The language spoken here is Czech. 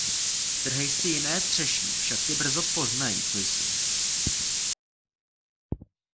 Trhej si jiné třešně; však tě brzo poznají, co jsi.